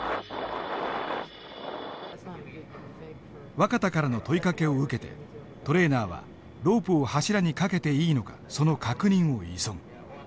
若田からの問いかけを受けてトレーナーはロープを柱に掛けていいのかその確認を急ぐ。